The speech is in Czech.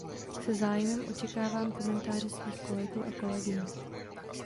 Se zájmem očekávám komentáře svých kolegů a kolegyň.